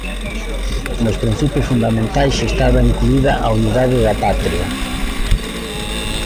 Nos Principios Fundamentais estaba incluída a unidade da patria.